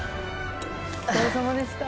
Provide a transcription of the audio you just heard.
お疲れさまでした。